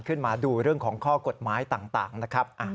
ขึ้นมาดูเรื่องของข้อกฎหมายต่างนะครับ